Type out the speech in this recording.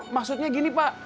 maksudnya gini pak